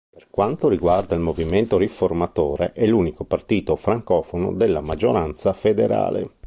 Per quanto riguarda il Movimento Riformatore, è l'unico partito francofono della maggioranza federale.